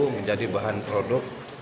menjadi bahan produk